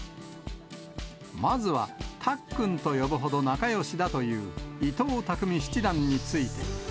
まずは、たっくんと呼ぶほど仲よしだという伊藤匠七段について。